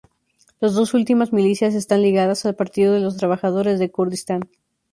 Las dos últimas milicias están ligadas al Partido de los Trabajadores de Kurdistán.